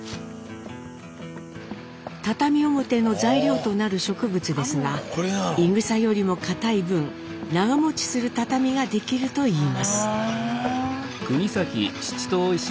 畳表の材料となる植物ですがイグサよりもかたい分長もちする畳が出来るといいます。